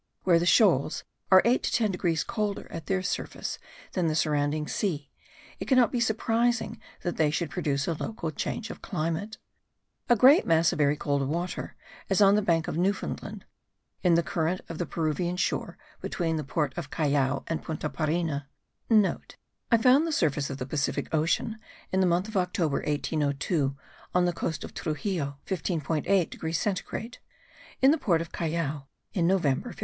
Where the shoals are 8 to 10 degrees colder at their surface than the surrounding sea, it cannot be surprising that they should produce a local change of climate. A great mass of very cold water, as on the bank of Newfoundland, in the current of the Peruvian shore (between the port of Callao and Punta Parina* (* I found the surface of the Pacific ocean, in the month of October 1802 on the coast of Truxillo, 15.8 degrees centigrade; in the port of Callao, in November, 15.